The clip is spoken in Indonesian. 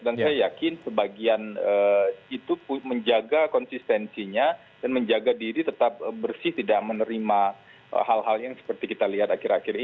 dan saya yakin sebagian itu menjaga konsistensinya dan menjaga diri tetap bersih tidak menerima hal hal yang seperti kita lihat akhir akhir ini